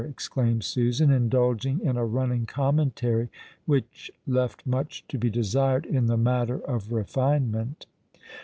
" exclaimed Susan, indulging in a running commentary which left much to bo desired in the matter of refinement.